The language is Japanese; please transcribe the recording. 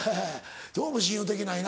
どうも信用できないな。